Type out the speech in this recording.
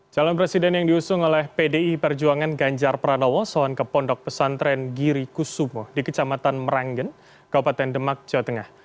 calon presiden yang diusung oleh pdi perjuangan ganjar pranowo soan ke pondok pesantren giri kusumo di kecamatan meranggen kabupaten demak jawa tengah